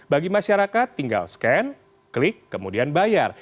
bagi masyarakat tinggal scan klik kemudian bayar